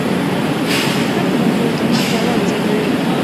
کرکټ د ملګرو ترمنځ یووالی زیاتوي.